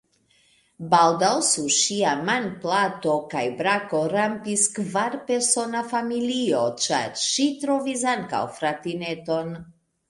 Baldaŭ sur ŝia manplato kaj brako rampis kvarpersona familio, ĉar ŝi trovis ankaŭ fratineton.